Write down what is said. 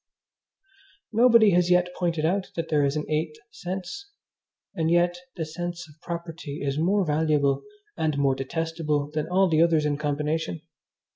Nobody has yet pointed out that there is an eighth sense; and yet the sense of property is more valuable and more detestable than all the others in combination.